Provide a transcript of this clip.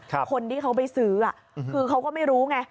คนที่เขาไปซื้อคือเขาก็ไม่รู้ไง